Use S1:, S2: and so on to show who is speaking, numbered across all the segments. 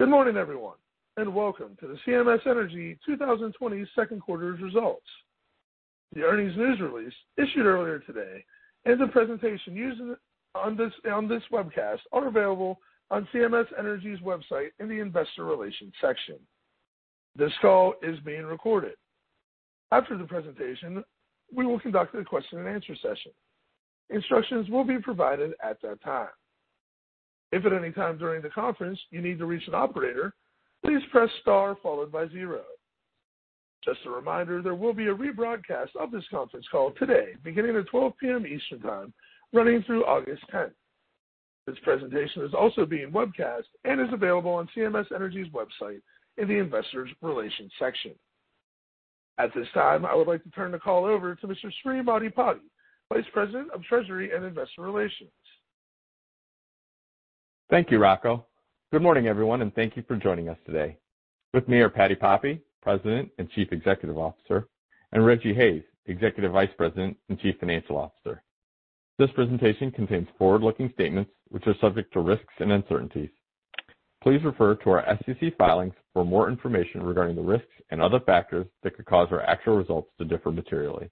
S1: Good morning, everyone, and welcome to the CMS Energy 2020 second quarter results. The earnings news release issued earlier today, and the presentation on this webcast are available on CMS Energy's website in the investor relations section. This call is being recorded. After the presentation, we will conduct a question and answer session. Instructions will be provided at that time. If at any time during the conference you need to reach an operator, please press star followed by zero. Just a reminder, there will be a rebroadcast of this conference call today beginning at 12:00 PM. Eastern Time, running through August 10th. This presentation is also being webcast and is available on CMS Energy's website in the investors relations section. At this time, I would like to turn the call over to Mr. Sri Maddipati, Vice President of Treasury and Investor Relations.
S2: Thank you, Rocco. Good morning, everyone, and thank you for joining us today. With me are Patti Poppe, President and Chief Executive Officer, and Rejji Hayes, Executive Vice President and Chief Financial Officer. This presentation contains forward-looking statements, which are subject to risks and uncertainties. Please refer to our SEC filings for more information regarding the risks and other factors that could cause our actual results to differ materially.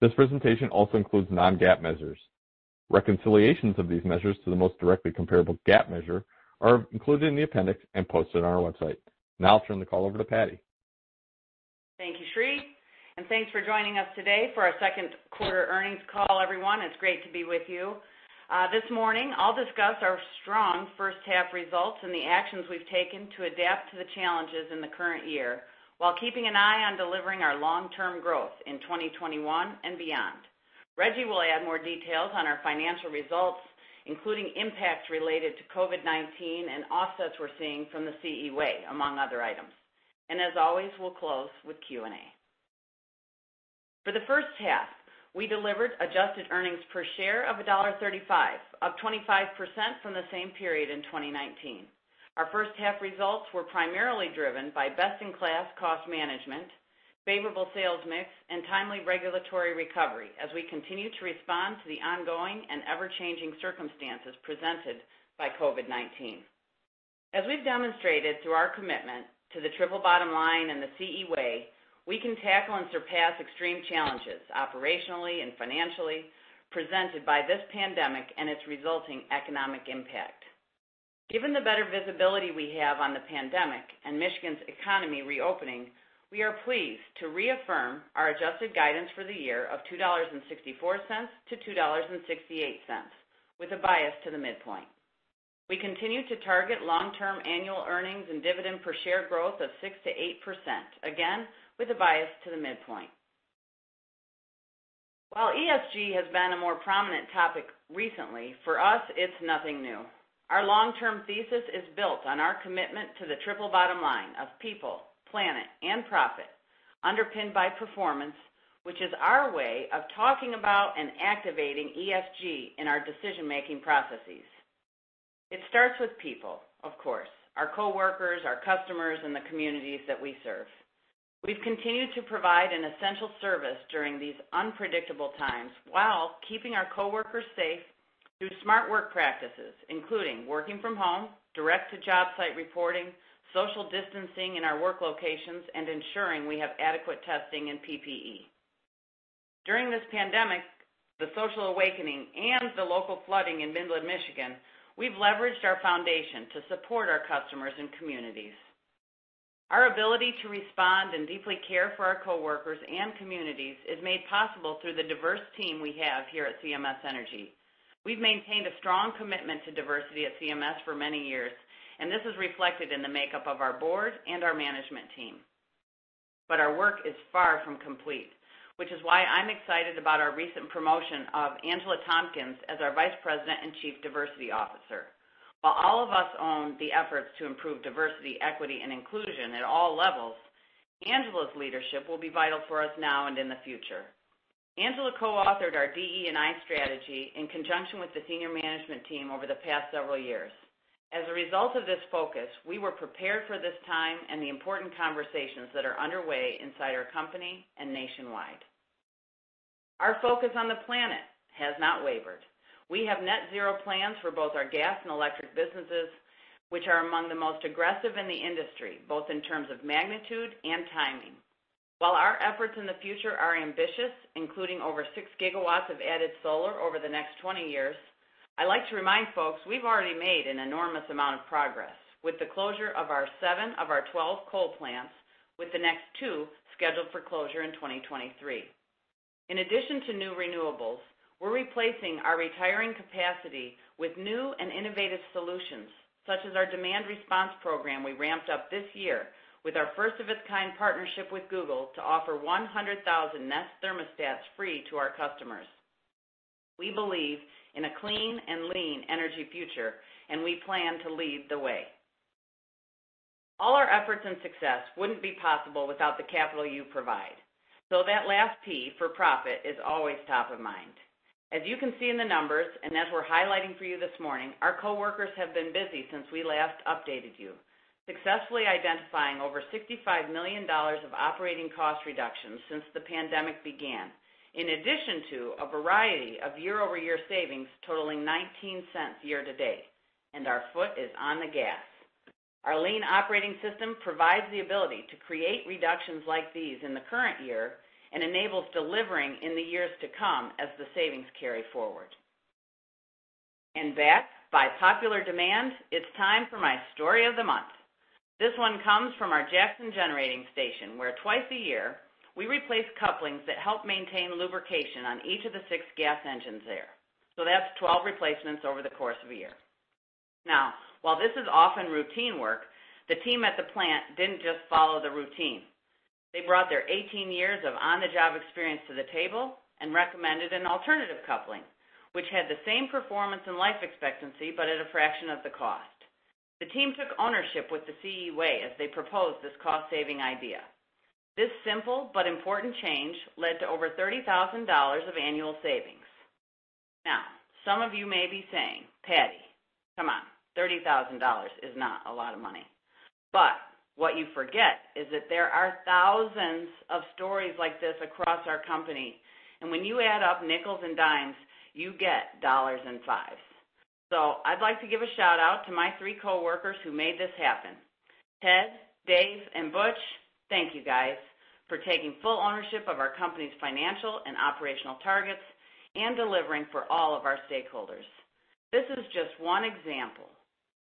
S2: This presentation also includes non-GAAP measures. Reconciliations of these measures to the most directly comparable GAAP measure are included in the appendix and posted on our website. Now I'll turn the call over to Patti.
S3: Thank you, Sri, and thanks for joining us today for our second quarter earnings call, everyone. It's great to be with you. This morning, I'll discuss our strong first half results and the actions we've taken to adapt to the challenges in the current year, while keeping an eye on delivering our long-term growth in 2021 and beyond. Rejji will add more details on our financial results, including impacts related to COVID-19 and offsets we're seeing from the CE Way, among other items. As always, we'll close with Q&A. For the first half, we delivered adjusted earnings per share of $1.35, up 25% from the same period in 2019. Our first half results were primarily driven by best-in-class cost management, favorable sales mix, and timely regulatory recovery as we continue to respond to the ongoing and ever-changing circumstances presented by COVID-19. As we've demonstrated through our commitment to the triple bottom line and the CE Way, we can tackle and surpass extreme challenges, operationally and financially, presented by this pandemic and its resulting economic impact. Given the better visibility we have on the pandemic and Michigan's economy reopening, we are pleased to reaffirm our adjusted guidance for the year of $2.64 to $2.68, with a bias to the midpoint. We continue to target long-term annual earnings and dividend per share growth of 6%-8%, again, with a bias to the midpoint. While ESG has been a more prominent topic recently, for us, it's nothing new. Our long-term thesis is built on our commitment to the triple bottom line of people, planet, and profit, underpinned by performance, which is our way of talking about and activating ESG in our decision-making processes. It starts with people, of course, our coworkers, our customers, and the communities that we serve. We've continued to provide an essential service during these unpredictable times while keeping our coworkers safe through smart work practices, including working from home, direct-to-job site reporting, social distancing in our work locations, and ensuring we have adequate testing and PPE. During this pandemic, the social awakening, and the local flooding in Midland, Michigan, we've leveraged our foundation to support our customers and communities. Our ability to respond and deeply care for our coworkers and communities is made possible through the diverse team we have here at CMS Energy. We've maintained a strong commitment to diversity at CMS for many years, and this is reflected in the makeup of our board and our management team. Our work is far from complete, which is why I'm excited about our recent promotion of Angela Thompkins as our Vice President and Chief Diversity Officer. While all of us own the efforts to improve diversity, equity, and inclusion at all levels, Angela's leadership will be vital for us now and in the future. Angela co-authored our DE&I strategy in conjunction with the senior management team over the past several years. As a result of this focus, we were prepared for this time and the important conversations that are underway inside our company and nationwide. Our focus on the planet has not wavered. We have net zero plans for both our gas and electric businesses, which are among the most aggressive in the industry, both in terms of magnitude and timing. While our efforts in the future are ambitious, including over six gigawatts of added solar over the next 20 years, I like to remind folks we've already made an enormous amount of progress with the closure of our seven of our 12 coal plants, with the next two scheduled for closure in 2023. In addition to new renewables, we're replacing our retiring capacity with new and innovative solutions, such as our demand response program we ramped up this year with our first-of-its-kind partnership with Google to offer 100,000 Nest thermostats free to our customers. We believe in a clean and lean energy future, and we plan to lead the way. All our efforts and success wouldn't be possible without the capital you provide, so that last P, for profit, is always top of mind. As you can see in the numbers, as we're highlighting for you this morning, our coworkers have been busy since we last updated you. Successfully identifying over $65 million of operating cost reductions since the pandemic began, in addition to a variety of year-over-year savings totaling $0.19 year-to-date, and our foot is on the gas. Our lean operating system provides the ability to create reductions like these in the current year and enables delivering in the years to come as the savings carry forward. Back by popular demand, it's time for my story of the month. This one comes from our Jackson Generating Station, where twice a year we replace couplings that help maintain lubrication on each of the six gas engines there. That's 12 replacements over the course of a year. While this is often routine work, the team at the plant didn't just follow the routine. They brought their 18 years of on-the-job experience to the table and recommended an alternative coupling, which had the same performance and life expectancy, but at a fraction of the cost. The team took ownership with the CE Way as they proposed this cost-saving idea. This simple but important change led to over $30,000 of annual savings. Some of you may be saying, "Patti, come on, $30,000 is not a lot of money." What you forget is that there are thousands of stories like this across our company, and when you add up nickels and dimes, you get dollars and fives. I'd like to give a shout-out to my three coworkers who made this happen. Ted, Dave, and Butch, thank you guys for taking full ownership of our company's financial and operational targets and delivering for all of our stakeholders. This is just one example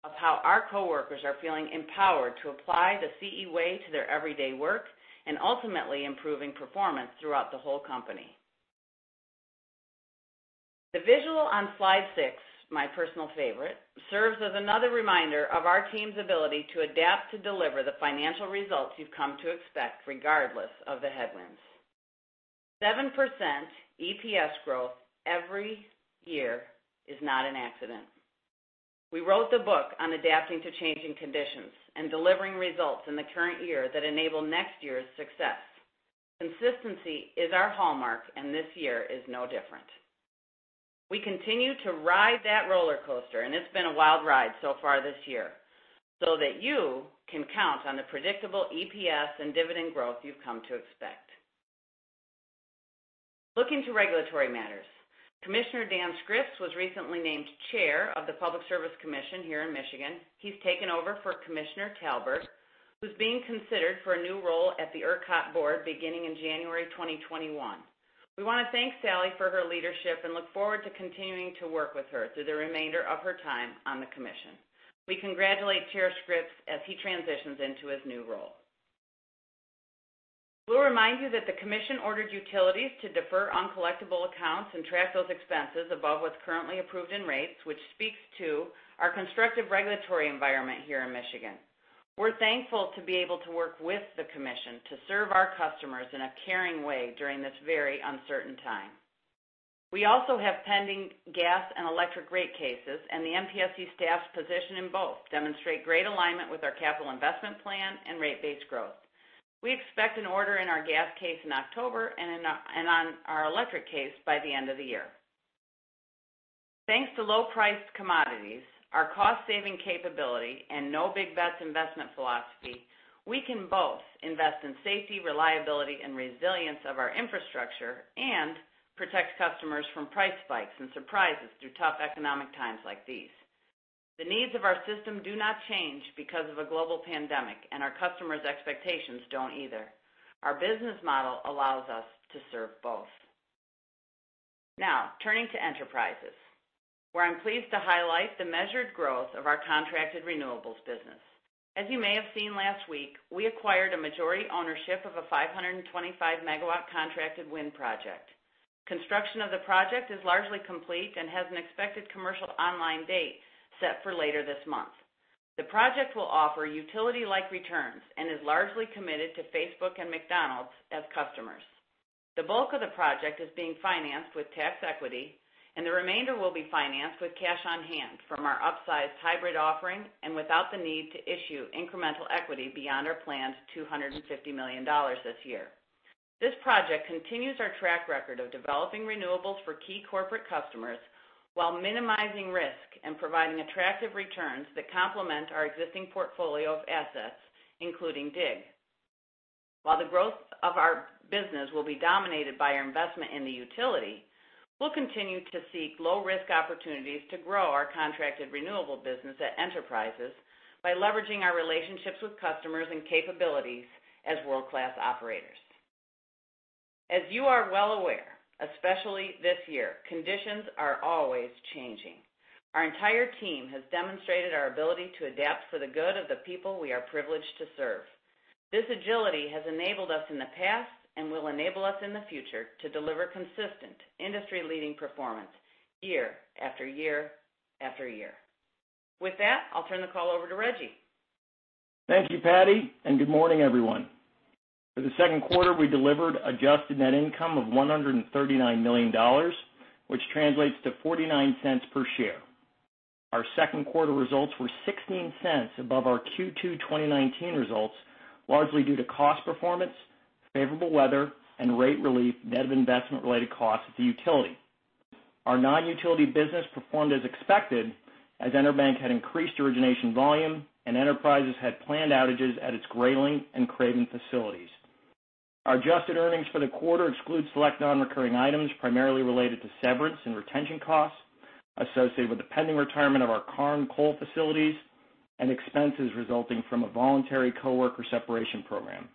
S3: of how our coworkers are feeling empowered to apply the CE Way to their everyday work and ultimately improving performance throughout the whole company. The visual on slide six, my personal favorite, serves as another reminder of our team's ability to adapt to deliver the financial results you've come to expect, regardless of the headwinds. 7% EPS growth every year is not an accident. We wrote the book on adapting to changing conditions and delivering results in the current year that enable next year's success. Consistency is our hallmark, and this year is no different. We continue to ride that roller coaster, and it's been a wild ride so far this year, so that you can count on the predictable EPS and dividend growth you've come to expect. Looking to regulatory matters, Commissioner Dan Scripps was recently named chair of the Public Service Commission here in Michigan. He's taken over for Commissioner Talberg, who's being considered for a new role at the ERCOT board beginning in January 2021. We want to thank Sally for her leadership and look forward to continuing to work with her through the remainder of her time on the commission. We congratulate Chair Scripps as he transitions into his new role. We'll remind you that the commission ordered utilities to defer uncollectible accounts and track those expenses above what's currently approved in rates, which speaks to our constructive regulatory environment here in Michigan. We're thankful to be able to work with the commission to serve our customers in a caring way during this very uncertain time. We also have pending gas and electric rate cases, and the MPSC staff's position in both demonstrate great alignment with our capital investment plan and rate-based growth. We expect an order in our gas case in October and on our electric case by the end of the year. Thanks to low-priced commodities, our cost-saving capability, and no big bets investment philosophy, we can both invest in safety, reliability, and resilience of our infrastructure and protect customers from price spikes and surprises through tough economic times like these. The needs of our system do not change because of a global pandemic, and our customers' expectations don't either. Our business model allows us to serve both. Turning to Enterprises, where I'm pleased to highlight the measured growth of our contracted renewables business. As you may have seen last week, we acquired a majority ownership of a 525 MW contracted wind project. Construction of the project is largely complete and has an expected commercial online date set for later this month. The project will offer utility-like returns and is largely committed to Facebook and McDonald's as customers. The bulk of the project is being financed with tax equity, and the remainder will be financed with cash on hand from our upsized hybrid offering and without the need to issue incremental equity beyond our planned $250 million this year. This project continues our track record of developing renewables for key corporate customers while minimizing risk and providing attractive returns that complement our existing portfolio of assets, including DIG. While the growth of our business will be dominated by our investment in the utility, we'll continue to seek low-risk opportunities to grow our contracted renewable business at Enterprises by leveraging our relationships with customers and capabilities as world-class operators. As you are well aware, especially this year, conditions are always changing. Our entire team has demonstrated our ability to adapt for the good of the people we are privileged to serve. This agility has enabled us in the past and will enable us in the future to deliver consistent industry-leading performance year-after-year-after-year. With that, I'll turn the call over to Rejji.
S4: Thank you, Patti, and good morning, everyone. For the second quarter, we delivered adjusted net income of $139 million, which translates to $0.49 per share. Our second quarter results were $0.16 above our Q2 2019 results, largely due to cost performance, favorable weather, and rate relief net of investment-related costs at the utility. Our non-utility business performed as expected as EnerBank had increased origination volume and enterprises had planned outages at its Grayling and Craven facilities. Our adjusted earnings for the quarter exclude select non-recurring items, primarily related to severance and retention costs associated with the pending retirement of our Karn coal facilities and expenses resulting from a voluntary coworker separation program,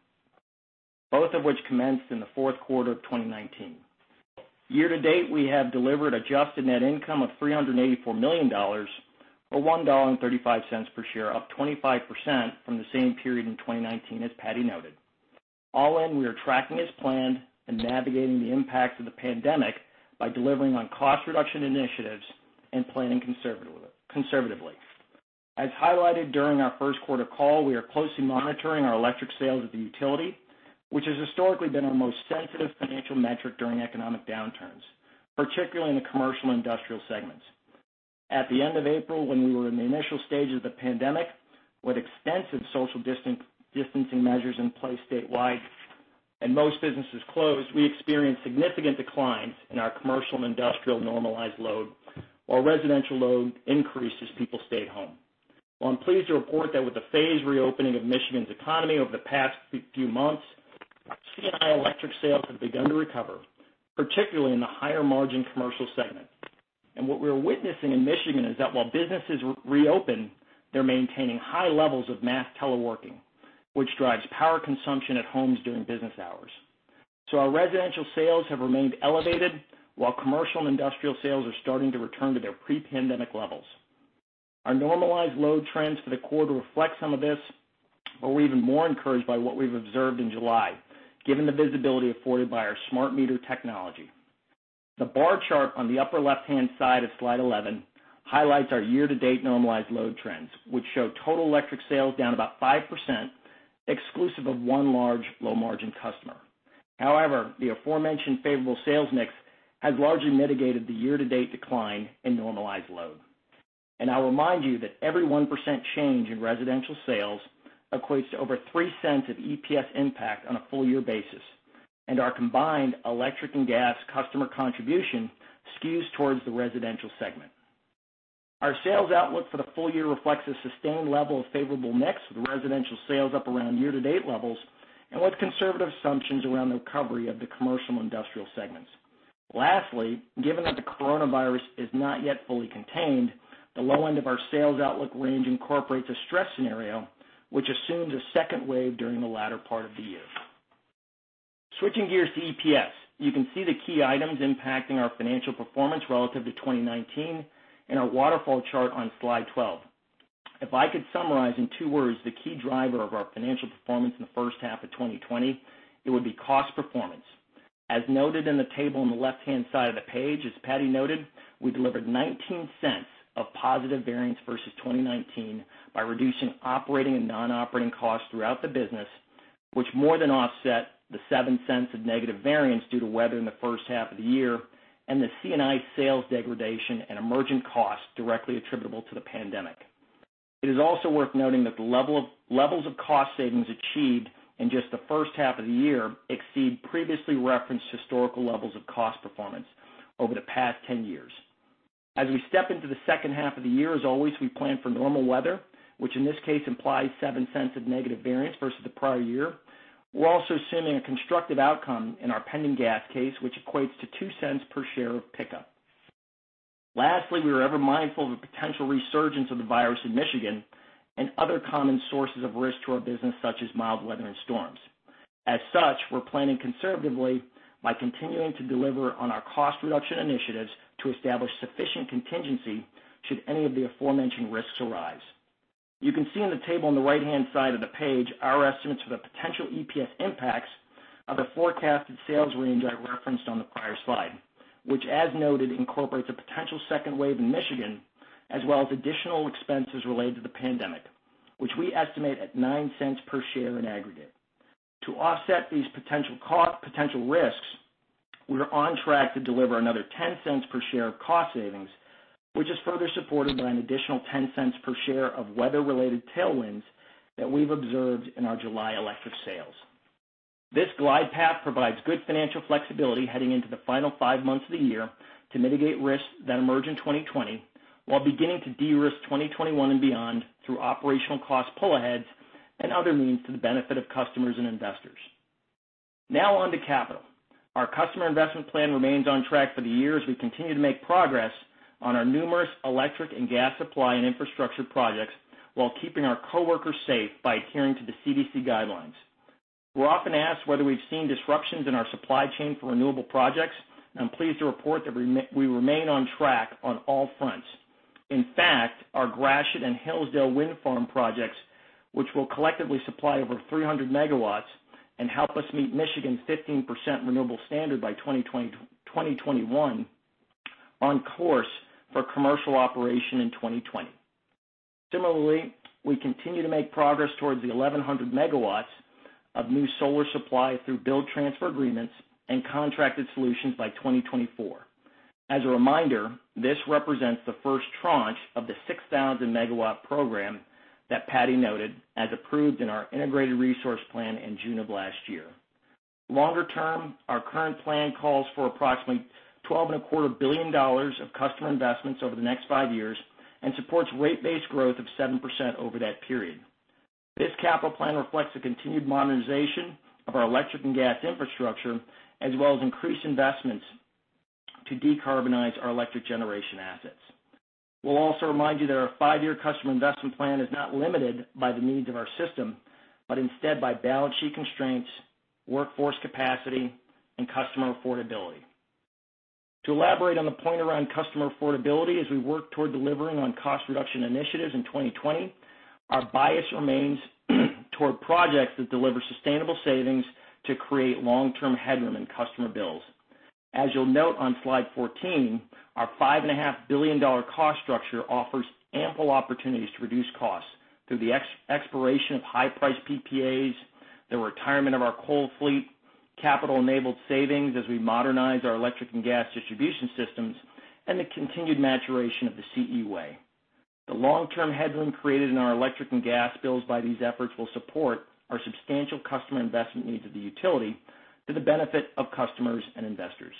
S4: both of which commenced in the fourth quarter of 2019. Year-to-date, we have delivered adjusted net income of $384 million, or $1.35 per share, up 25% from the same period in 2019, as Patti noted. All in, we are tracking as planned and navigating the impact of the pandemic by delivering on cost reduction initiatives and planning conservatively. As highlighted during our first quarter call, we are closely monitoring our electric sales at the utility, which has historically been our most sensitive financial metric during economic downturns, particularly in the commercial and industrial segments. At the end of April, when we were in the initial stages of the pandemic, with extensive social distancing measures in place statewide and most businesses closed, we experienced significant declines in our commercial and industrial normalized load, while residential load increased as people stayed home. I'm pleased to report that with the phased reopening of Michigan's economy over the past few months, C&I electric sales have begun to recover, particularly in the higher-margin commercial segment. What we're witnessing in Michigan is that while businesses reopen, they're maintaining high levels of mass teleworking, which drives power consumption at homes during business hours. Our residential sales have remained elevated while commercial and industrial sales are starting to return to their pre-pandemic levels. Our normalized load trends for the quarter reflect some of this, but we're even more encouraged by what we've observed in July, given the visibility afforded by our smart meter technology. The bar chart on the upper left-hand side of slide 11 highlights our year-to-date normalized load trends, which show total electric sales down about 5%, exclusive of one large low-margin customer. The aforementioned favorable sales mix has largely mitigated the year-to-date decline in normalized load. I'll remind you that every 1% change in residential sales equates to over $0.03 of EPS impact on a full-year basis, and our combined electric and gas customer contribution skews towards the residential segment. Our sales outlook for the full year reflects a sustained level of favorable mix with residential sales up around year-to-date levels and with conservative assumptions around the recovery of the commercial and industrial segments. Lastly, given that the coronavirus is not yet fully contained, the low end of our sales outlook range incorporates a stress scenario which assumes a second wave during the latter part of the year. Switching gears to EPS, you can see the key items impacting our financial performance relative to 2019 in our waterfall chart on slide 12. If I could summarize in two words the key driver of our financial performance in the first half of 2020, it would be cost performance. As noted in the table on the left-hand side of the page, as Patti noted, we delivered $0.19 of positive variance versus 2019 by reducing operating and non-operating costs throughout the business, which more than offset the $0.07 of negative variance due to weather in the first half of the year and the C&I sales degradation and emergent costs directly attributable to the pandemic. It is also worth noting that the levels of cost savings achieved in just the first half of the year exceed previously referenced historical levels of cost performance over the past 10 years. As we step into the second half of the year, as always, we plan for normal weather, which in this case implies $0.07 of negative variance versus the prior year. We are also assuming a constructive outcome in our pending gas case, which equates to $0.02 per share of pickup. Lastly, we are ever mindful of a potential resurgence of the virus in Michigan and other common sources of risk to our business, such as mild weather and storms. As such, we are planning conservatively by continuing to deliver on our cost reduction initiatives to establish sufficient contingency should any of the aforementioned risks arise. You can see in the table on the right-hand side of the page our estimates for the potential EPS impacts of the forecasted sales range I referenced on the prior slide, which as noted, incorporates a potential second wave in Michigan, as well as additional expenses related to the pandemic, which we estimate at $0.09 per share in aggregate. To offset these potential risks, we are on track to deliver another $0.10 per share of cost savings, which is further supported by an additional $0.10 per share of weather-related tailwinds that we've observed in our July electric sales. This glide path provides good financial flexibility heading into the final five months of the year to mitigate risks that emerge in 2020, while beginning to de-risk 2021 and beyond through operational cost pull-aheads and other means to the benefit of customers and investors. Now on to capital. Our customer investment plan remains on track for the year as we continue to make progress on our numerous electric and gas supply and infrastructure projects while keeping our coworkers safe by adhering to the CDC guidelines. We're often asked whether we've seen disruptions in our supply chain for renewable projects, and I'm pleased to report that we remain on track on all fronts. In fact, our Gratiot and Hillsdale wind farm projects, which will collectively supply over 300 MW and help us meet Michigan's 15% renewable standard by 2021, on course for commercial operation in 2020. Similarly, we continue to make progress towards the 1,100 MW of new solar supply through build transfer agreements and contracted solutions by 2024. As a reminder, this represents the first tranche of the 6,000 MW program that Patti noted as approved in our integrated resource plan in June of last year. Longer term, our current plan calls for approximately $12.25 billion of customer investments over the next five years and supports rate base growth of 7% over that period. This capital plan reflects the continued modernization of our electric and gas infrastructure, as well as increased investments to decarbonize our electric generation assets. We'll also remind you that our five-year customer investment plan is not limited by the needs of our system, but instead by balance sheet constraints, workforce capacity, and customer affordability. To elaborate on the point around customer affordability, as we work toward delivering on cost reduction initiatives in 2020, our bias remains toward projects that deliver sustainable savings to create long-term headroom in customer bills. As you'll note on slide 14, our $5.5 billion cost structure offers ample opportunities to reduce costs through the expiration of high-priced PPAs, the retirement of our coal fleet, capital-enabled savings as we modernize our electric and gas distribution systems, and the continued maturation of the CE Way. The long-term headroom created in our electric and gas bills by these efforts will support our substantial customer investment needs of the utility to the benefit of customers and investors.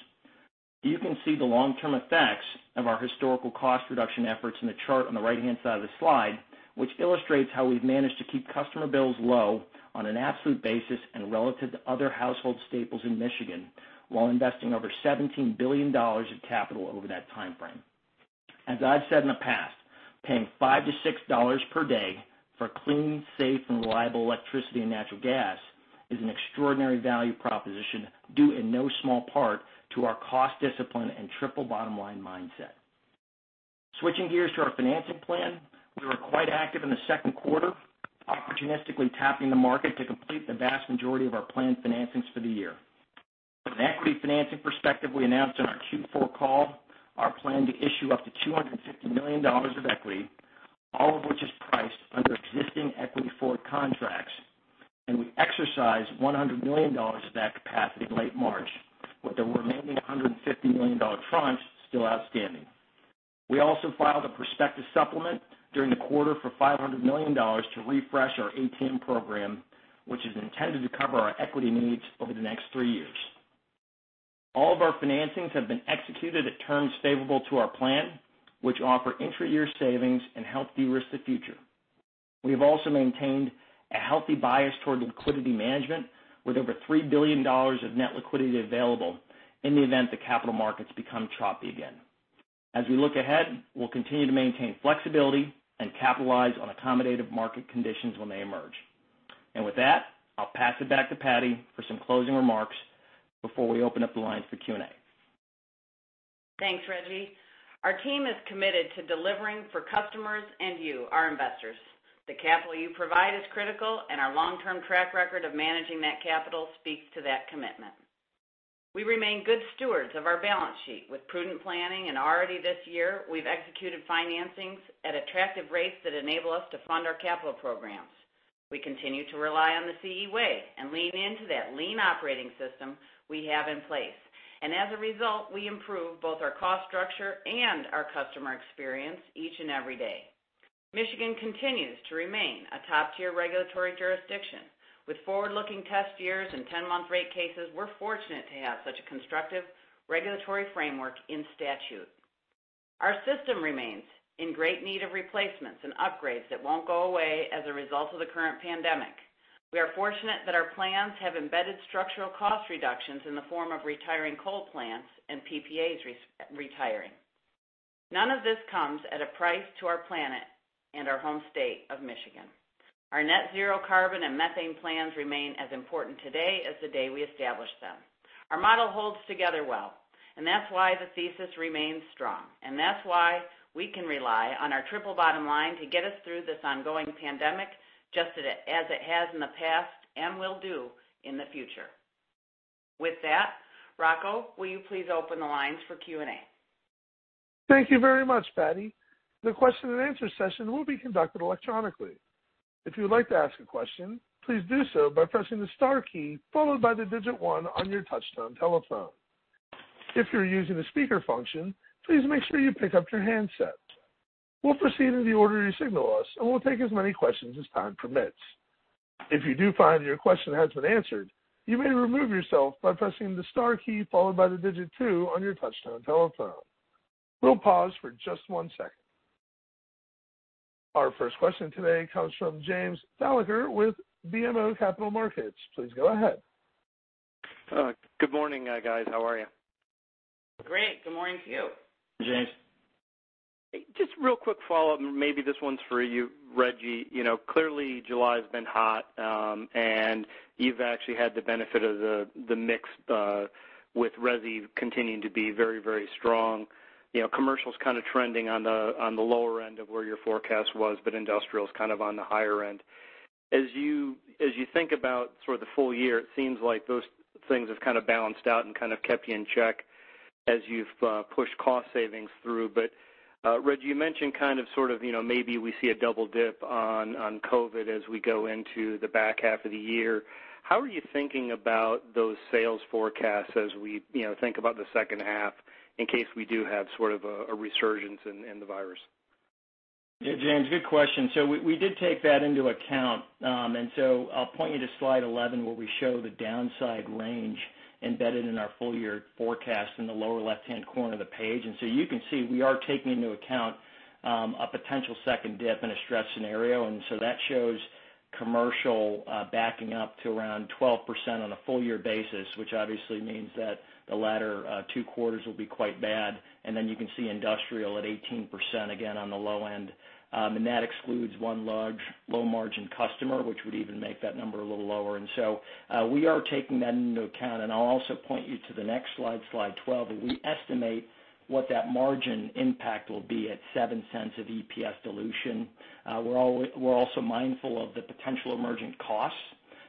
S4: You can see the long-term effects of our historical cost reduction efforts in the chart on the right-hand side of the slide, which illustrates how we've managed to keep customer bills low on an absolute basis and relative to other household staples in Michigan, while investing over $17 billion of capital over that timeframe. As I've said in the past, paying $5-$6 per day for clean, safe, and reliable electricity and natural gas is an extraordinary value proposition, due in no small part to our cost discipline and triple bottom line mindset. Switching gears to our financing plan, we were quite active in the second quarter, opportunistically tapping the market to complete the vast majority of our planned financings for the year. From an equity financing perspective, we announced on our Q4 call our plan to issue up to $250 million of equity, all of which is priced under existing equity forward contracts, and we exercised $100 million of that capacity in late March, with the remaining $150 million tranche still outstanding. We also filed a prospectus supplement during the quarter for $500 million to refresh our ATM program, which is intended to cover our equity needs over the next three years. All of our financings have been executed at terms favorable to our plan, which offer intra-year savings and help de-risk the future. We have also maintained a healthy bias toward liquidity management with over $3 billion of net liquidity available in the event the capital markets become choppy again. As we look ahead, we'll continue to maintain flexibility and capitalize on accommodative market conditions when they emerge. With that, I'll pass it back to Patti for some closing remarks before we open up the lines for Q&A.
S3: Thanks, Rejji. Our team is committed to delivering for customers and you, our investors. The capital you provide is critical, and our long-term track record of managing that capital speaks to that commitment. We remain good stewards of our balance sheet with prudent planning, and already this year, we've executed financings at attractive rates that enable us to fund our capital programs. We continue to rely on the CE Way and lean into that lean operating system we have in place. As a result, we improve both our cost structure and our customer experience each and every day. Michigan continues to remain a top-tier regulatory jurisdiction. With forward-looking test years and 10-month rate cases, we're fortunate to have such a constructive regulatory framework in statute. Our system remains in great need of replacements and upgrades that won't go away as a result of the current pandemic. We are fortunate that our plans have embedded structural cost reductions in the form of retiring coal plants and PPAs retiring. None of this comes at a price to our planet and our home state of Michigan. Our net zero carbon and methane plans remain as important today as the day we established them. Our model holds together well, and that's why the thesis remains strong, and that's why we can rely on our triple bottom line to get us through this ongoing pandemic, just as it has in the past and will do in the future. With that, Rocco, will you please open the lines for Q&A?
S1: Thank you very much, Patti. The question and answer session will be conducted electronically. If you would like to ask a question, please do so by pressing the star key, followed by the digit one on your touchtone telephone. If you're using the speaker function, please make sure you pick up your handset. We'll proceed in the order you signal us, and we'll take as many questions as time permits. If you do find your question has been answered, you may remove yourself by pressing the star key followed by the digit two on your touchtone telephone. We'll pause for just one second. Our first question today comes from James Thalacker with BMO Capital Markets. Please go ahead.
S5: Good morning, guys. How are you?
S3: Great. Good morning to you.
S4: Hey, James.
S5: Just real quick follow-up, maybe this one's for you, Rejji. Clearly July has been hot, and you've actually had the benefit of the mix with resi continuing to be very strong. Commercial's kind of trending on the lower end of where your forecast was, but industrial's kind of on the higher end. As you think about sort of the full year, it seems like those things have kind of balanced out and kind of kept you in check as you've pushed cost savings through. Rejji, you mentioned kind of sort of maybe we see a double dip on COVID as we go into the back half of the year. How are you thinking about those sales forecasts as we think about the second half in case we do have sort of a resurgence in the virus?
S4: Yeah, James, good question. We did take that into account. I'll point you to slide 11, where we show the downside range embedded in our full year forecast in the lower left-hand corner of the page. You can see, we are taking into account, a potential second dip in a stress scenario. That shows commercial backing up to around 12% on a full year basis, which obviously means that the latter two quarters will be quite bad. Then you can see industrial at 18%, again, on the low end. That excludes one large low-margin customer, which would even make that number a little lower. We are taking that into account. I'll also point you to the next slide 12, where we estimate what that margin impact will be at $0.07 of EPS dilution. We're also mindful of the potential emergent costs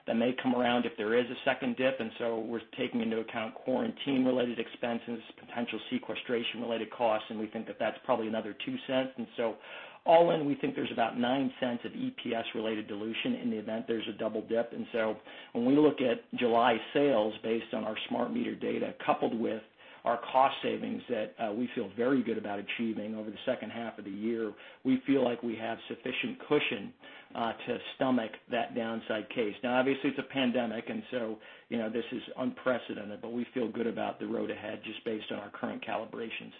S4: that may come around if there is a second dip, and so we're taking into account quarantine-related expenses, potential sequestration-related costs, and we think that that's probably another $0.02. All in, we think there's about $0.09 of EPS-related dilution in the event there's a double dip. When we look at July sales based on our smart meter data, coupled with our cost savings that we feel very good about achieving over the second half of the year, we feel like we have sufficient cushion to stomach that downside case. Now, obviously, it's a pandemic, and so this is unprecedented, but we feel good about the road ahead, just based on our current calibrations.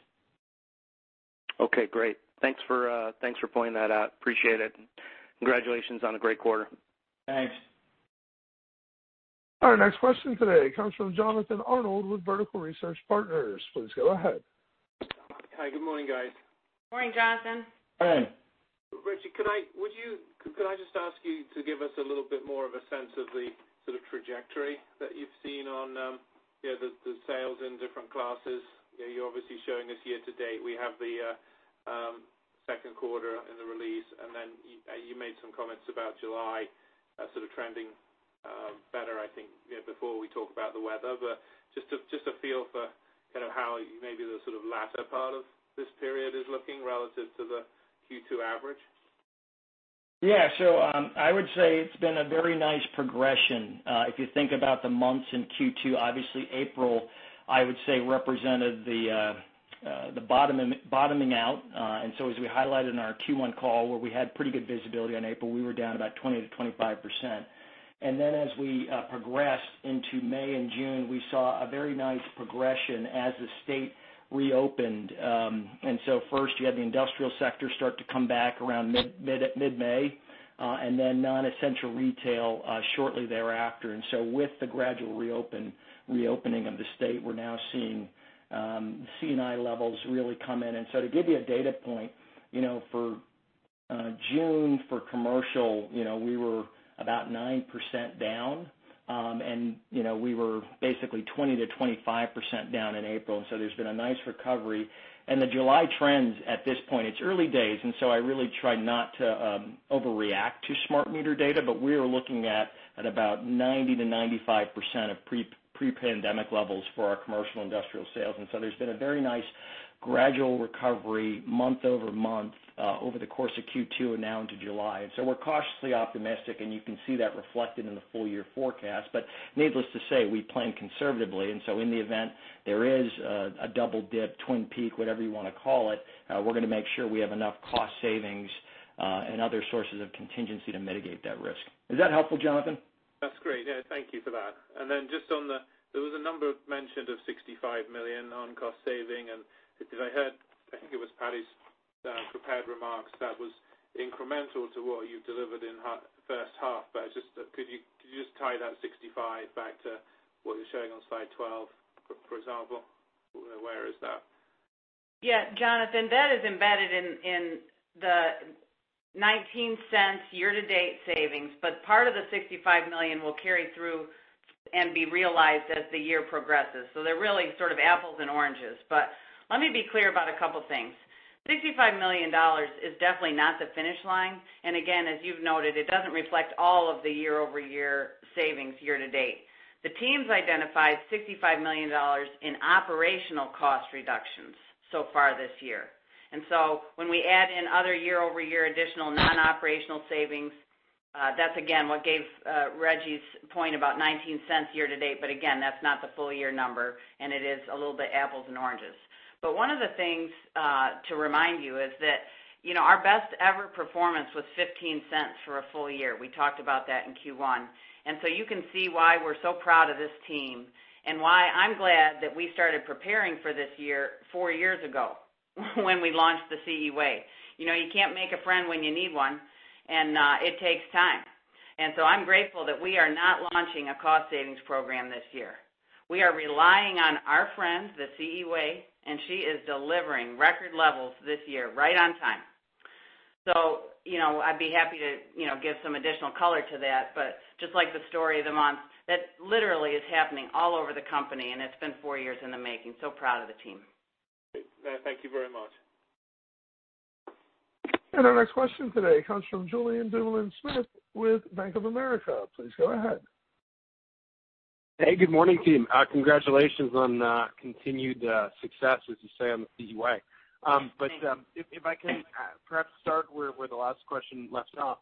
S5: Okay, great. Thanks for pointing that out. Appreciate it. Congratulations on a great quarter.
S4: Thanks.
S1: Our next question today comes from Jonathan Arnold with Vertical Research Partners. Please go ahead.
S6: Hi. Good morning, guys.
S3: Morning, Jonathan.
S4: Hey.
S6: Rejji, could I just ask you to give us a little bit more of a sense of the sort of trajectory that you've seen on the sales in different classes? You're obviously showing us year to date, we have the second quarter in the release, and then you made some comments about July sort of trending better, I think, before we talk about the weather. But just a feel for kind of how maybe the sort of latter part of this period is looking relative to the Q2 average.
S4: Yeah. I would say it's been a very nice progression. If you think about the months in Q2, obviously April, I would say, represented the bottoming out. As we highlighted in our Q1 call, where we had pretty good visibility on April, we were down about 20%-25%. As we progressed into May and June, we saw a very nice progression as the state reopened. First you had the industrial sector start to come back around mid-May, and then non-essential retail, shortly thereafter. With the gradual reopening of the state, we're now seeing C&I levels really come in. To give you a data point, for June, for commercial, we were about 9% down. We were basically 20%-25% down in April. There's been a nice recovery. The July trends at this point, it's early days, I really try not to overreact to smart meter data, but we are looking at about 90%-95% of pre-pandemic levels for our commercial industrial sales. There's been a very nice gradual recovery month-over-month, over the course of Q2 and now into July. We're cautiously optimistic, and you can see that reflected in the full year forecast. Needless to say, we plan conservatively, in the event there is a double dip, twin peak, whatever you want to call it, we're going to make sure we have enough cost savings and other sources of contingency to mitigate that risk. Is that helpful, Jonathan?
S6: That's great. Yeah, thank you for that. Just on the there was a number mentioned of $65 million on cost saving, and as I heard, I think it was Patti's prepared remarks, that was incremental to what you delivered in first half. Could you just tie that $65 million back to what you're showing on slide 12, for example? Where is that?
S3: Yeah, Jonathan, that is embedded in the $0.19 year to date savings, part of the $65 million will carry through and be realized as the year progresses. They're really sort of apples and oranges. Let me be clear about a couple things. $65 million is definitely not the finish line, and again, as you've noted, it doesn't reflect all of the year-over-year savings year to date. The teams identified $65 million in operational cost reductions so far this year. When we add in other year-over-year additional non-operational savings, that's, again, what gave Rejji's point about $0.19 year to date. Again, that's not the full year number, and it is a little bit apples and oranges. One of the things to remind you is that our best ever performance was $0.15 for a full year. We talked about that in Q1. You can see why we're so proud of this team, and why I'm glad that we started preparing for this year four years ago when we launched the CE Way. You can't make a friend when you need one, and it takes time. I'm grateful that we are not launching a cost savings program this year. We are relying on our friends, the CE Way, and she is delivering record levels this year, right on time. I'd be happy to give some additional color to that, but just like the story of the month, that literally is happening all over the company, and it's been four years in the making. Proud of the team.
S6: Great. Thank you very much.
S1: Our next question today comes from Julien Dumoulin-Smith with Bank of America. Please go ahead.
S7: Hey, good morning, team. Congratulations on continued success, as you say, on the CE Way.
S3: Thank you.
S7: If I can perhaps start where the last question left off.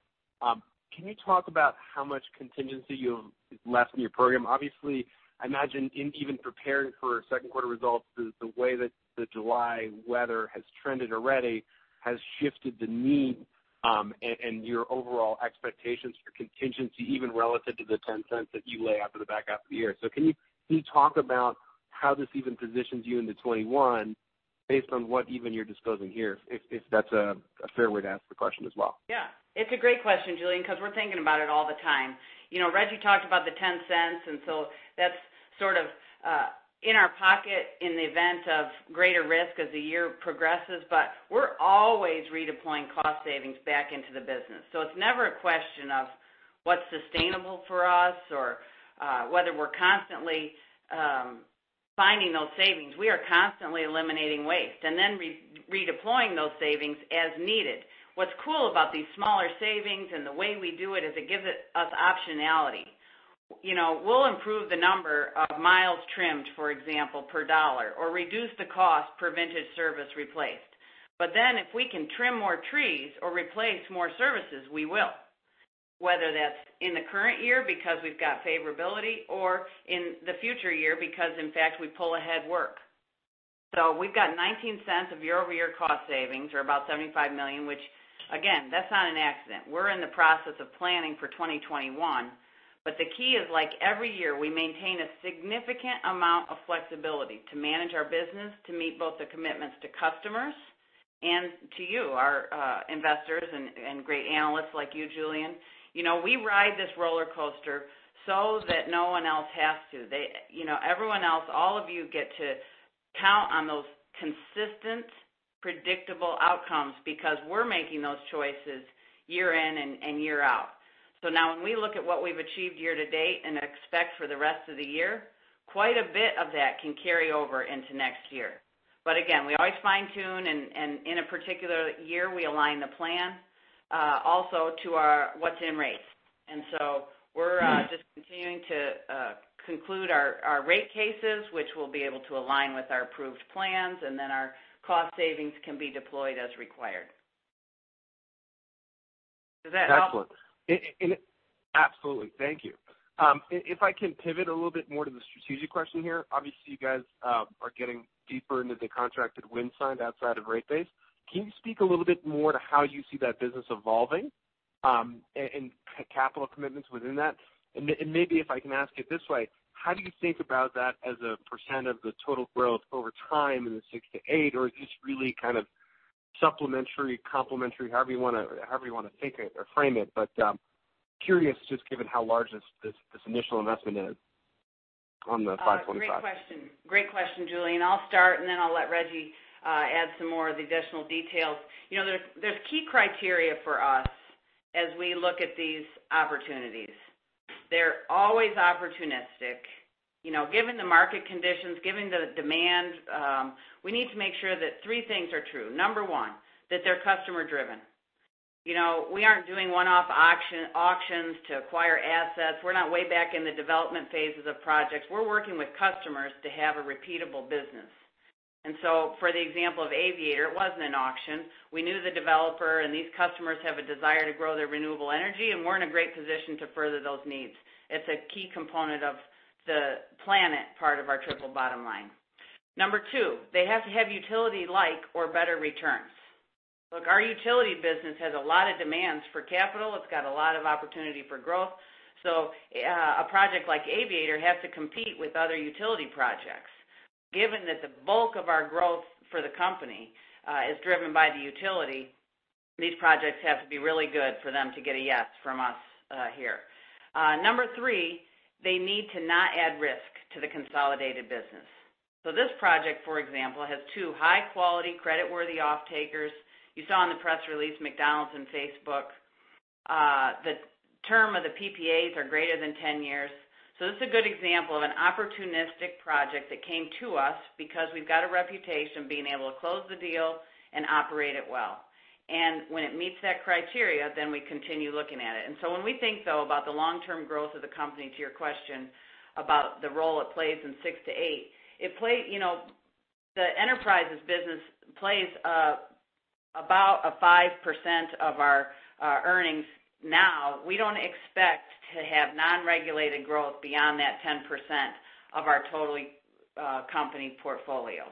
S7: Can you talk about how much contingency you have left in your program? Obviously, I imagine in even preparing for second quarter results, the way that the July weather has trended already has shifted the need, and your overall expectations for contingency, even relative to the $0.10 that you lay out for the back half of the year. Can you talk about how this even positions you into 2021 based on what even you're disclosing here, if that's a fair way to ask the question as well?
S3: Yeah. It's a great question, Julien, because we're thinking about it all the time. Rejji talked about the $0.10. That's sort of in our pocket in the event of greater risk as the year progresses. We're always redeploying cost savings back into the business. It's never a question of what's sustainable for us or whether we're constantly finding those savings. We are constantly eliminating waste and then redeploying those savings as needed. What's cool about these smaller savings and the way we do it is it gives us optionality. We'll improve the number of miles trimmed, for example, per dollar, or reduce the cost per vintage service replaced. If we can trim more trees or replace more services, we will. Whether that's in the current year because we've got favorability or in the future year because in fact, we pull ahead work. We've got $0.19 of year-over-year cost savings or about $75 million, which again, that's not an accident. We're in the process of planning for 2021. The key is like every year, we maintain a significant amount of flexibility to manage our business, to meet both the commitments to customers and to you, our investors and great analysts like you, Julien. We ride this roller coaster so that no one else has to. Everyone else, all of you get to count on those consistent, predictable outcomes because we're making those choices year in and year out. When we look at what we've achieved year to date and expect for the rest of the year, quite a bit of that can carry over into next year. We always fine-tune, and in a particular year, we align the plan also to our what's in rates. We're just continuing to conclude our rate cases, which we'll be able to align with our approved plans, and then our cost savings can be deployed as required. Does that help?
S7: Excellent. Absolutely. Thank you. If I can pivot a little bit more to the strategic question here, obviously, you guys are getting deeper into the contracted wind side outside of rate base. Can you speak a little bit more to how you see that business evolving, and capital commitments within that? Maybe if I can ask it this way: how do you think about that as a percent of the total growth over time in the 6%-8%, or is this really kind of supplementary, complementary, however you want to think it or frame it, but curious just given how large this initial investment is on the 525?
S3: Great question. Great question, Julien. I'll start, then I'll let Rejji add some more of the additional details. There's key criteria for us as we look at these opportunities. They're always opportunistic. Given the market conditions, given the demand, we need to make sure that three things are true. Number one, that they're customer-driven. We aren't doing one-off auctions to acquire assets. We're not way back in the development phases of projects. We're working with customers to have a repeatable business. For the example of Aviator, it wasn't an auction. We knew the developer and these customers have a desire to grow their renewable energy, and we're in a great position to further those needs. It's a key component of the planet part of our triple bottom line. Number two, they have to have utility-like or better returns. Look, our utility business has a lot of demands for capital. It's got a lot of opportunity for growth. A project like Aviator has to compete with other utility projects. Given that the bulk of our growth for the company is driven by the utility, these projects have to be really good for them to get a yes from us here. Number three, they need to not add risk to the consolidated business. This project, for example, has two high-quality, creditworthy off-takers. You saw in the press release, McDonald's and Facebook. The term of the PPAs are greater than 10 years. This is a good example of an opportunistic project that came to us because we've got a reputation being able to close the deal and operate it well. When it meets that criteria, then we continue looking at it. When we think, though, about the long-term growth of the company, to your question about the role it plays in 6%-8%, the enterprises business plays about a 5% of our earnings now. We don't expect to have non-regulated growth beyond that 10% of our total company portfolio.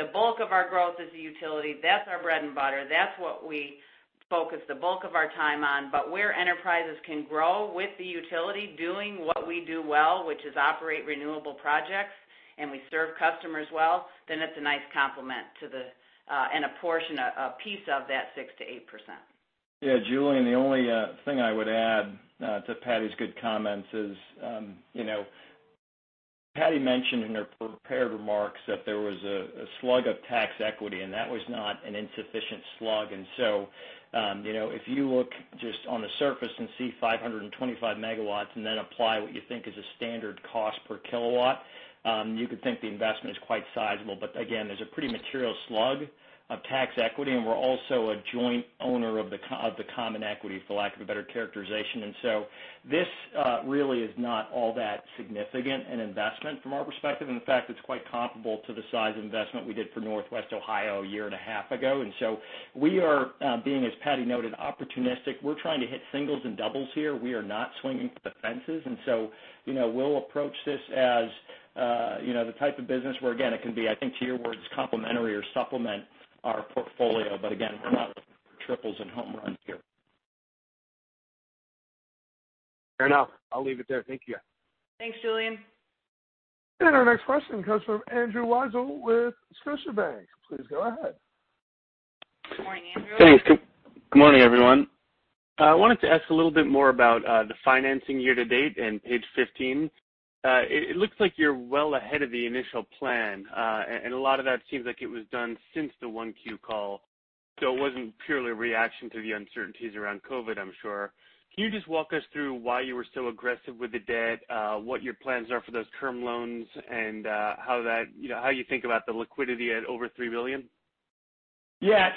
S3: The bulk of our growth is the utility. That's our bread and butter. That's what we focus the bulk of our time on. Where enterprises can grow with the utility, doing what we do well, which is operate renewable projects, and we serve customers well, then it's a nice complement and a portion, a piece of that 6%-8%.
S4: Julien, the only thing I would add to Patti's good comments is, Patti mentioned in her prepared remarks that there was a slug of tax equity, and that was not an insufficient slug. If you look just on the surface and see 525 MW and then apply what you think is a standard cost per kW. You could think the investment is quite sizable, but again, there's a pretty material slug of tax equity, and we're also a joint owner of the common equity, for lack of a better characterization. This really is not all that significant an investment from our perspective. In fact, it's quite comparable to the size investment we did for Northwest Ohio a year and a half ago. We are being, as Patti noted, opportunistic. We're trying to hit singles and doubles here. We are not swinging for the fences. We'll approach this as the type of business where, again, it can be, I think to your words, complementary or supplement our portfolio. We're not looking for triples and home runs here.
S7: Fair enough. I'll leave it there. Thank you.
S3: Thanks, Julien.
S1: Our next question comes from Andrew Weisel with Scotiabank. Please go ahead.
S3: Morning, Andrew.
S8: Thanks. Good morning, everyone. I wanted to ask a little bit more about the financing year to date on page 15. It looks like you're well ahead of the initial plan. A lot of that seems like it was done since the 1Q call. It wasn't purely a reaction to the uncertainties around COVID, I'm sure. Can you just walk us through why you were so aggressive with the debt, what your plans are for those term loans, and how you think about the liquidity at over $3 billion?
S4: Yeah.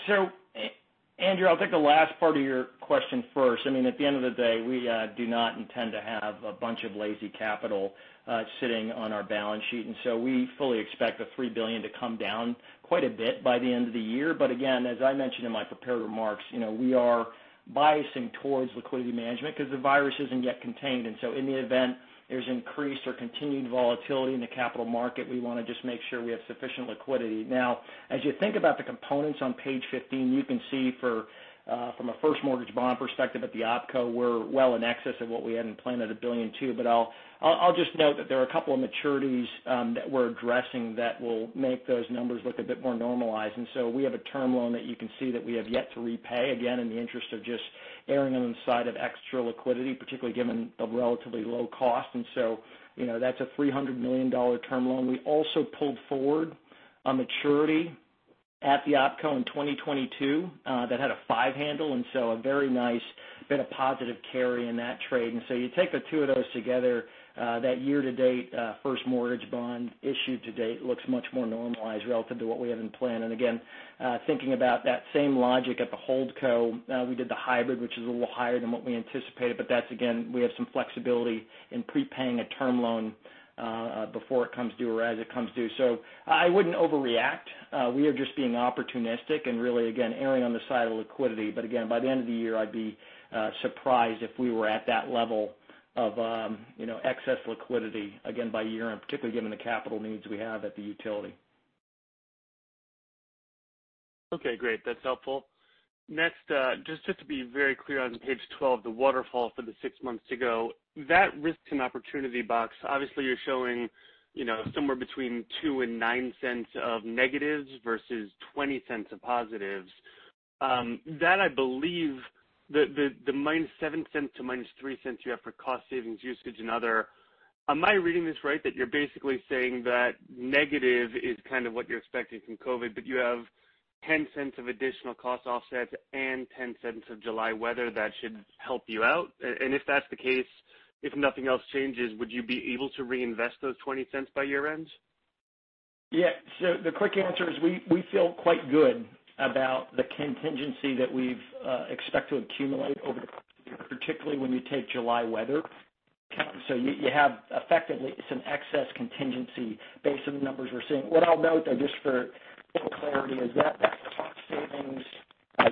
S4: Andrew, I'll take the last part of your question first. At the end of the day, we do not intend to have a bunch of lazy capital sitting on our balance sheet, we fully expect the $3 billion to come down quite a bit by the end of the year. Again, as I mentioned in my prepared remarks, we are biasing towards liquidity management because the virus isn't yet contained. In the event there's increased or continued volatility in the capital market, we want to just make sure we have sufficient liquidity. As you think about the components on page 15, you can see from a first mortgage bond perspective at the OpCo, we're well in excess of what we had in plan at $1.2 billion. I'll just note that there are a couple of maturities that we're addressing that will make those numbers look a bit more normalized. We have a term loan that you can see that we have yet to repay, again, in the interest of just erring on the side of extra liquidity, particularly given the relatively low cost. That's a $300 million term loan. We also pulled forward a maturity at the OpCo in 2022 that had a five handle, a very nice bit of positive carry in that trade. You take the two of those together, that year to date, first mortgage bond issued to date looks much more normalized relative to what we have in plan. Again, thinking about that same logic at the Holdco, we did the hybrid, which is a little higher than what we anticipated, but that's again, we have some flexibility in prepaying a term loan before it comes due or as it comes due. I wouldn't overreact. We are just being opportunistic and really, again, erring on the side of liquidity. Again, by the end of the year, I'd be surprised if we were at that level of excess liquidity, again, by year-end, particularly given the capital needs we have at the utility.
S8: Okay, great. That's helpful. Next, just to be very clear on page 12, the waterfall for the six months to go, that risk and opportunity box, obviously you're showing somewhere between $0.02 and $0.09 of negatives versus $0.20 of positives. That I believe the -$0.07 to -$0.03 you have for cost savings, usage, and other. Am I reading this right, that you're basically saying that negative is kind of what you're expecting from COVID-19, but you have $0.10 of additional cost offsets and $0.10 of July weather that should help you out? If that's the case, if nothing else changes, would you be able to reinvest those $0.20 by year-end?
S4: Yeah. The quick answer is we feel quite good about the contingency that we've expect to accumulate over the course of the year, particularly when you take July weather account. You have effectively some excess contingency based on the numbers we're seeing. What I'll note, though, just for full clarity, is that cost savings,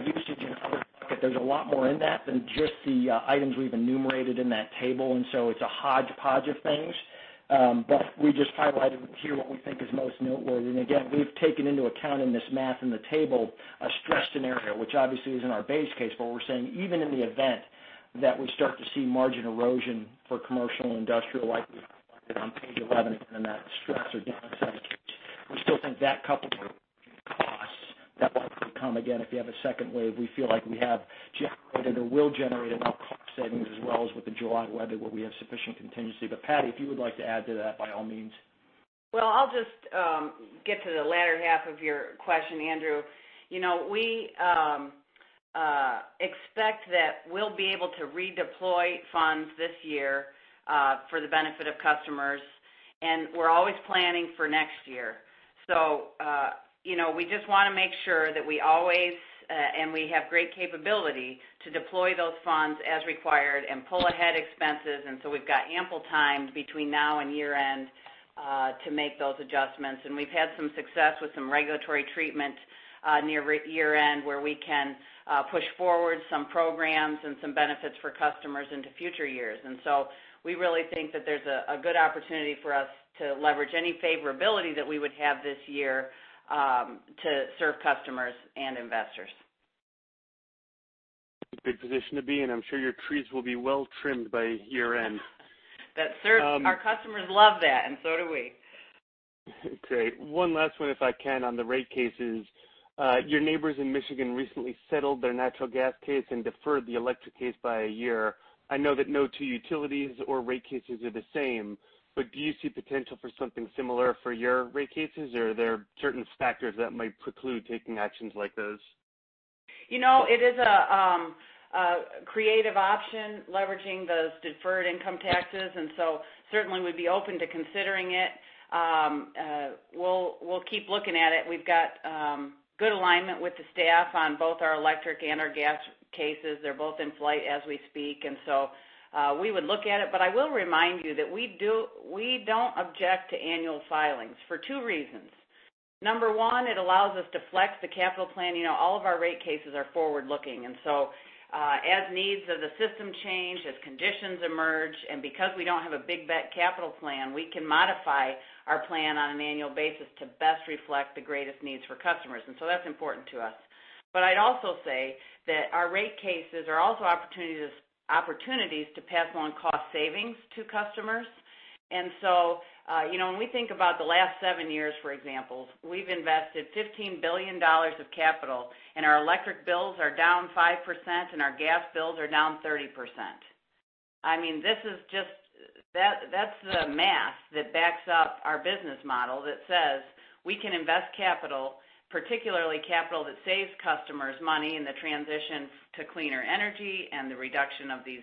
S4: usage, and other, that there's a lot more in that than just the items we've enumerated in that table. It's a hodgepodge of things. We just highlighted here what we think is most noteworthy. Again, we've taken into account in this math in the table a stress scenario, which obviously isn't our base case, but we're saying even in the event that we start to see margin erosion for commercial and industrial, like we highlighted on page 11 in that stress or downside case, we still think that coupled with costs that will likely come again if you have a second wave, we feel like we have generated or will generate enough cost savings as well as with the July weather where we have sufficient contingency. Patti, if you would like to add to that, by all means.
S3: Well, I'll just get to the latter half of your question, Andrew. We expect that we'll be able to redeploy funds this year for the benefit of customers, and we're always planning for next year. We just want to make sure that we always, and we have great capability to deploy those funds as required and pull ahead expenses. We've got ample time between now and year-end to make those adjustments. We've had some success with some regulatory treatment near year-end where we can push forward some programs and some benefits for customers into future years. We really think that there's a good opportunity for us to leverage any favorability that we would have this year to serve customers and investors.
S8: A good position to be in, I'm sure your trees will be well trimmed by year-end.
S3: Our customers love that, and so do we.
S8: Great. One last one, if I can, on the rate cases. Your neighbors in Michigan recently settled their natural gas case and deferred the electric case by a year. I know that no two utilities or rate cases are the same, do you see potential for something similar for your rate cases, or are there certain factors that might preclude taking actions like those?
S3: It is a creative option leveraging those deferred income taxes. Certainly we'd be open to considering it. We'll keep looking at it. We've got good alignment with the staff on both our electric and our gas cases. They're both in flight as we speak, we would look at it. I will remind you that we don't object to annual filings for two reasons. Number one, it allows us to flex the capital plan. All of our rate cases are forward-looking, as needs of the system change, as conditions emerge, and because we don't have a big bet capital plan, we can modify our plan on an annual basis to best reflect the greatest needs for customers. That's important to us. I'd also say that our rate cases are also opportunities to pass along cost savings to customers. When we think about the last seven years, for example, we've invested $15 billion of capital, and our electric bills are down 5%, and our gas bills are down 30%. That's the math that backs up our business model that says we can invest capital, particularly capital that saves customers money in the transition to cleaner energy and the reduction of these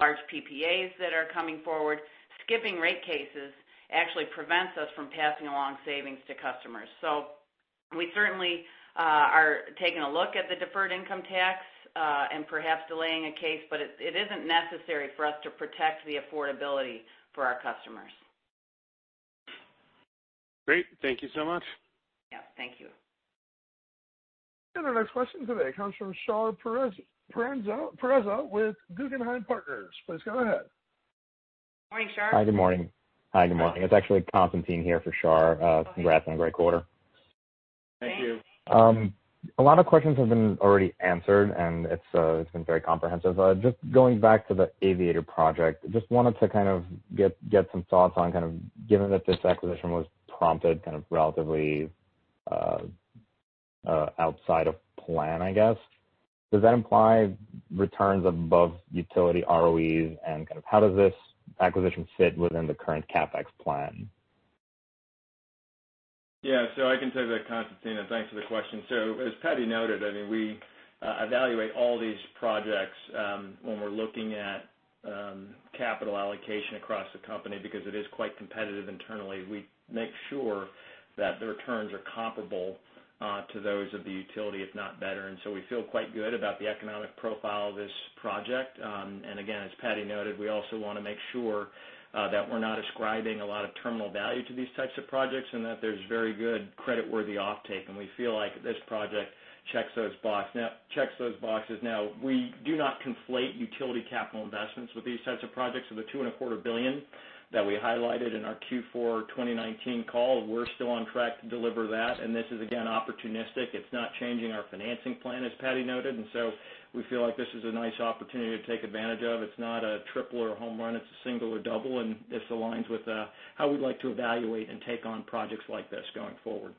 S3: large PPAs that are coming forward. Skipping rate cases actually prevents us from passing along savings to customers. We certainly are taking a look at the deferred income tax, and perhaps delaying a case, but it isn't necessary for us to protect the affordability for our customers.
S8: Great. Thank you so much.
S3: Yeah. Thank you.
S1: Our next question today comes from Shar Pourreza with Guggenheim Partners. Please go ahead.
S3: Morning, Shar.
S9: Hi, good morning. It's actually Constantine here for Shar.
S3: Go ahead.
S9: Congrats on a great quarter.
S3: Thank you.
S4: Thank you.
S9: A lot of questions have been already answered, and it's been very comprehensive. Just going back to the Aviator project, just wanted to get some thoughts on kind of given that this acquisition was prompted kind of relatively outside of plan, I guess. Does that imply returns above utility ROEs, and how does this acquisition fit within the current CapEx plan?
S4: Yeah. I can take that, Constantine. Thanks for the question. As Patti noted, we evaluate all these projects when we're looking at capital allocation across the company because it is quite competitive internally. We make sure that the returns are comparable to those of the utility, if not better. We feel quite good about the economic profile of this project. Again, as Patti noted, we also want to make sure that we're not ascribing a lot of terminal value to these types of projects and that there's very good credit-worthy offtake, and we feel like this project checks those boxes. Now, we do not conflate utility capital investments with these types of projects. The $2.25 billion that we highlighted in our Q4 2019 call, we're still on track to deliver that, and this is again, opportunistic. It's not changing our financing plan, as Patti noted. We feel like this is a nice opportunity to take advantage of. It's not a triple or a home run, it's a single or double. This aligns with how we'd like to evaluate and take on projects like this going forward.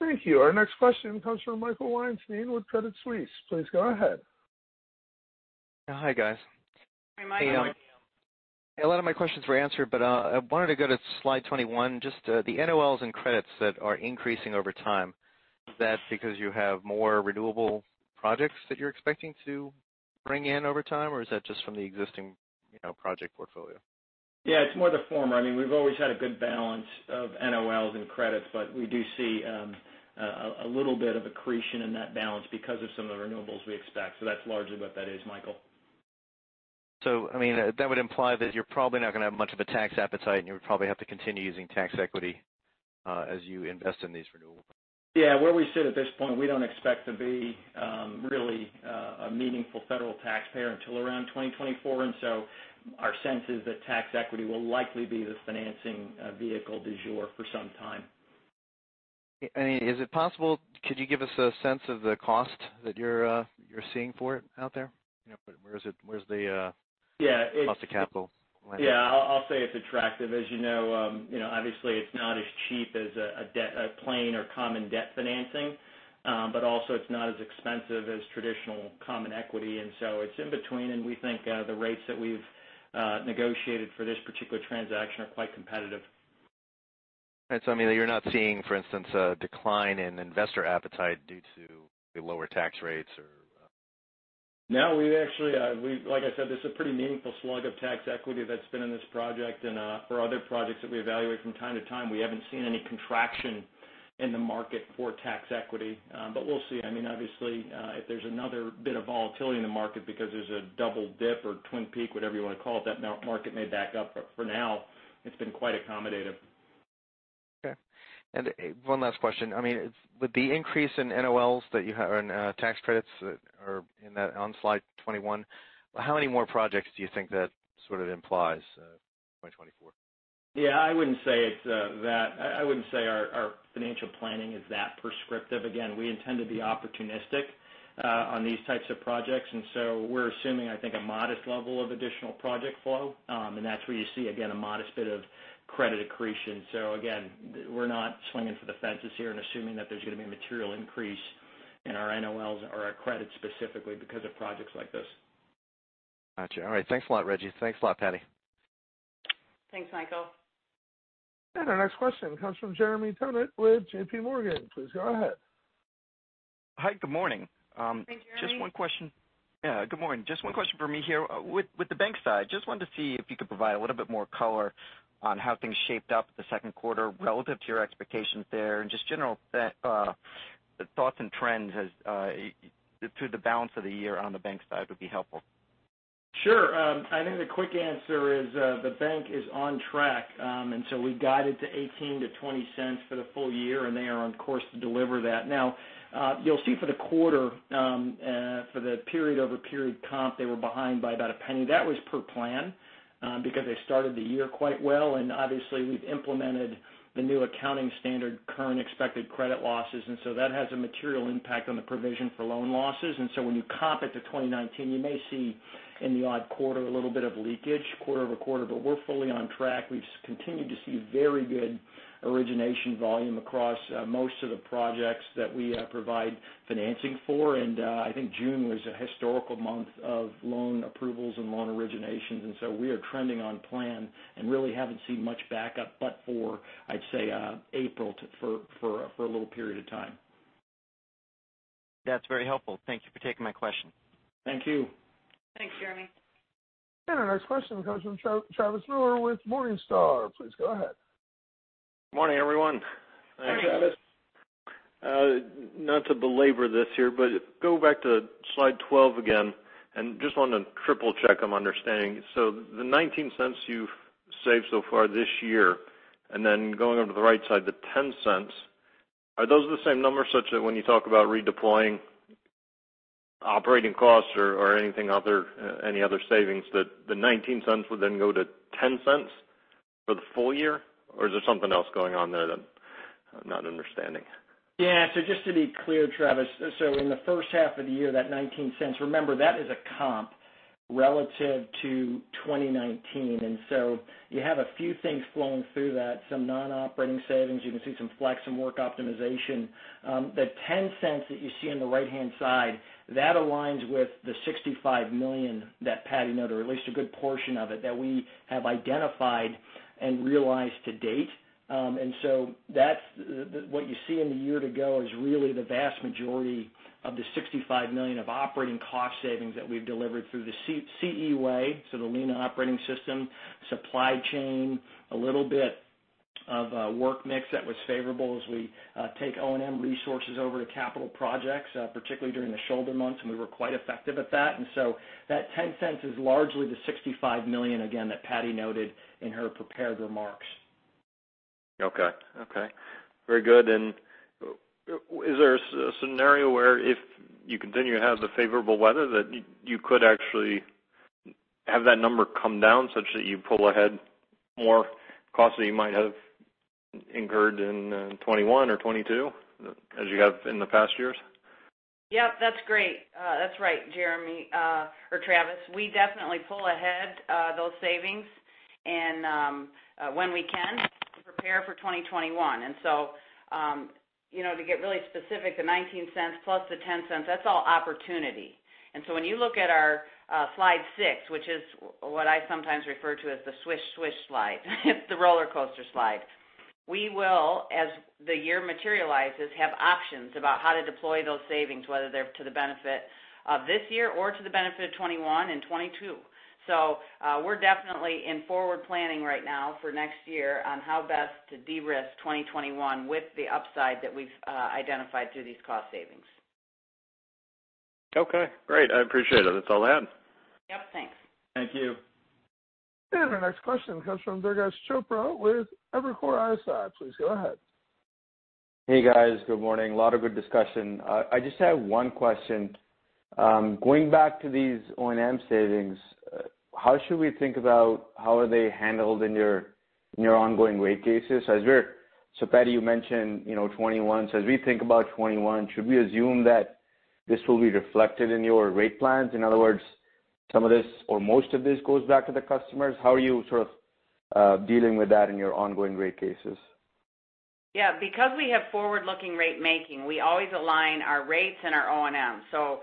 S1: Thank you. Our next question comes from Michael Weinstein with Credit Suisse. Please go ahead.
S10: Hi, guys.
S3: Hi, Michael.
S4: How are you?
S10: A lot of my questions were answered, but I wanted to go to slide 21, just the NOLs and credits that are increasing over time. Is that because you have more renewable projects that you're expecting to bring in over time, or is that just from the existing project portfolio?
S4: Yeah, it's more the former. We've always had a good balance of NOLs and credits, but we do see a little bit of accretion in that balance because of some of the renewables we expect. That's largely what that is, Michael.
S10: That would imply that you're probably not going to have much of a tax appetite, and you would probably have to continue using tax equity as you invest in these renewables.
S4: Where we sit at this point, we don't expect to be really a meaningful federal taxpayer until around 2024. Our sense is that tax equity will likely be the financing vehicle du jour for some time.
S10: Is it possible, could you give us a sense of the cost that you're seeing for it out there?
S4: Yeah, it's-.
S10: Cost of capital landing?
S4: Yeah, I'll say it's attractive. As you know obviously it's not as cheap as a plain common debt financing. Also it's not as expensive as traditional common equity. It's in between, and we think the rates that we've negotiated for this particular transaction are quite competitive.
S10: You're not seeing, for instance, a decline in investor appetite due to the lower tax rates.
S4: No, like I said, this is a pretty meaningful slug of tax equity that's been in this project. For other projects that we evaluate from time to time, we haven't seen any contraction in the market for tax equity. We'll see. Obviously, if there's another bit of volatility in the market because there's a double dip or twin peak, whatever you want to call it, that market may back up. For now, it's been quite accommodative.
S10: Okay. One last question. With the increase in NOLs that you have and tax credits that are on slide 21, how many more projects do you think that sort of implies for 2024?
S4: Yeah, I wouldn't say our financial planning is that prescriptive. Again, we intend to be opportunistic on these types of projects, and so we're assuming, I think, a modest level of additional project flow. That's where you see, again, a modest bit of credit accretion. Again, we're not swinging for the fences here and assuming that there's going to be a material increase in our NOLs or our credit specifically because of projects like this.
S10: Got you. All right. Thanks a lot, Rejji. Thanks a lot, Patti.
S3: Thanks, Michael.
S1: Our next question comes from Jeremy Tonet with JPMorgan. Please go ahead.
S11: Hi, good morning.
S3: Hey, Jeremy.
S11: Just one question. Yeah, good morning. Just one question from me here. With the bank side, just wanted to see if you could provide a little bit more color on how things shaped up the second quarter relative to your expectations there, and just general thoughts and trends through the balance of the year on the bank side would be helpful.
S4: Sure. I think the quick answer is, the bank is on track. We guided to $0.18-$0.20 for the full year, and they are on course to deliver that. You'll see for the quarter, for the period-over-period comp, they were behind by about a penny. That was per plan, because they started the year quite well, and obviously we've implemented the new accounting standard, current expected credit losses. That has a material impact on the provision for loan losses. When you comp it to 2019, you may see in the odd quarter a little bit of leakage quarter-over-quarter, but we're fully on track. We've continued to see very good origination volume across most of the projects that we provide financing for. I think June was a historical month of loan approvals and loan originations, and so we are trending on plan and really haven't seen much backup but for, I'd say, April for a little period of time.
S11: That's very helpful. Thank you for taking my question.
S4: Thank you.
S3: Thanks, Jeremy.
S1: Our next question comes from Travis Miller with Morningstar. Please go ahead.
S12: Morning, everyone.
S3: Hi.
S4: Hi, Travis.
S12: Not to belabor this here, but go back to slide 12 again, and just want to triple-check I'm understanding. The $0.19 you've saved so far this year, and then going over to the right side, the $0.10, are those the same numbers such that when you talk about redeploying operating costs or any other savings, that the $0.19 would then go to $0.10 for the full year? Is there something else going on there that I'm not understanding?
S4: Just to be clear, Travis, in the first half of the year, that $0.19, remember, that is a comp relative to 2019. You have a few things flowing through that, some non-operating savings. You can see some flex and work optimization. The $0.10 that you see on the right-hand side, that aligns with the $65 million that Patti noted, or at least a good portion of it, that we have identified and realized to date. What you see in the year to go is really the vast majority of the $65 million of operating cost savings that we've delivered through the CE Way, so the lean operating system, supply chain, a little bit of a work mix that was favorable as we take O&M resources over to capital projects, particularly during the shoulder months, and we were quite effective at that. That $0.10 is largely the $65 million, again, that Patti noted in her prepared remarks.
S12: Okay. Very good. Is there a scenario where if you continue to have the favorable weather, that you could actually have that number come down such that you pull ahead more costs that you might have incurred in 2021 or 2022 as you have in the past years?
S3: Yep, that's great. That's right, Jeremy, or Travis. We definitely pull ahead those savings when we can to prepare for 2021. To get really specific, the $0.19 plus the $0.10, that's all opportunity. When you look at our slide six, which is what I sometimes refer to as the swish-swish slide, it's the rollercoaster slide. We will, as the year materializes, have options about how to deploy those savings, whether they're to the benefit of this year or to the benefit of 2021 and 2022. We're definitely in forward planning right now for next year on how best to de-risk 2021 with the upside that we've identified through these cost savings.
S12: Okay, great. I appreciate it. That's all I had.
S3: Yep, thanks.
S4: Thank you.
S1: Our next question comes from Durgesh Chopra with Evercore ISI. Please go ahead.
S13: Hey, guys. Good morning. Lot of good discussion. I just have one question. Going back to these O&M savings, how should we think about how are they handled in your ongoing rate cases? Patti, you mentioned 2021. As we think about 2021, should we assume that this will be reflected in your rate plans? In other words, some of this or most of this goes back to the customers. How are you sort of dealing with that in your ongoing rate cases?
S3: Because we have forward-looking rate making, we always align our rates and our O&Ms.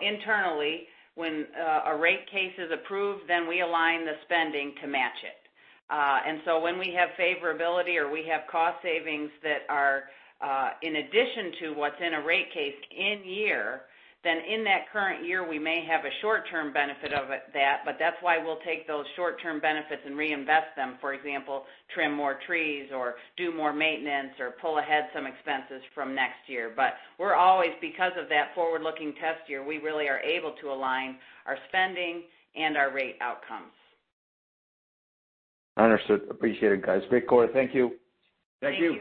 S3: Internally, when a rate case is approved, then we align the spending to match it. When we have favorability or we have cost savings that are in addition to what's in a rate case in year, then in that current year, we may have a short-term benefit of that. That's why we'll take those short-term benefits and reinvest them. For example, trim more trees or do more maintenance or pull ahead some expenses from next year. We're always, because of that forward-looking test year, we really are able to align our spending and our rate outcomes.
S13: Understood. Appreciate it, guys. Great quarter. Thank you.
S4: Thank you.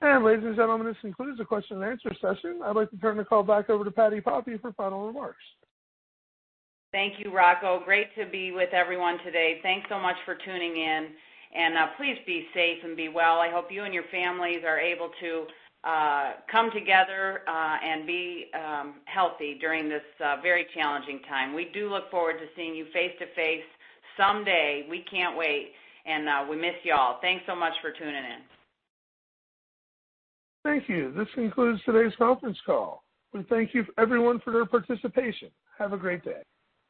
S3: Thank you.
S1: Ladies and gentlemen, this concludes the question and answer session. I'd like to turn the call back over to Patti Poppe for final remarks.
S3: Thank you, Rocco. Great to be with everyone today. Thanks so much for tuning in. Please be safe and be well. I hope you and your families are able to come together, and be healthy during this very challenging time. We do look forward to seeing you face-to-face someday. We can't wait, and we miss you all. Thanks so much for tuning in.
S1: Thank you. This concludes today's conference call. We thank everyone for their participation. Have a great day.